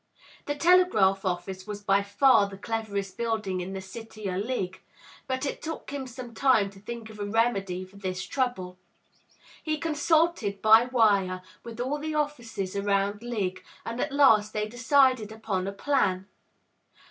The telegraph office was by far the cleverest building in the City o* Ligg, but it took him some time to think of a remedy for this trouble. He consulted, by wire, with all the offices around Ligg, and at last they decided upon a plan.